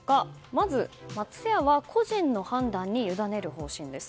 まず、松屋は個人の判断に委ねる方針です。